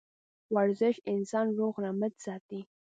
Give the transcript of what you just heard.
ورزش انسان روغ رمټ ساتي